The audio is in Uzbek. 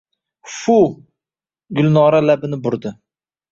— Fu! — Gulnora labini burdi.